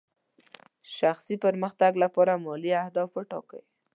شخصي پرمختګ لپاره مالي اهداف ټاکئ.